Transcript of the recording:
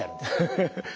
ハハハハ。